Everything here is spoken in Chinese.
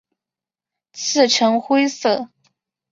刺呈灰色。